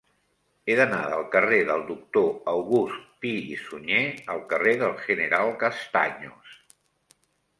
He d'anar del carrer del Doctor August Pi i Sunyer al carrer del General Castaños.